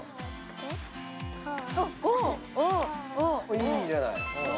いいじゃない。